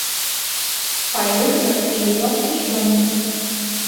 Па ёй мы жывём і сёння.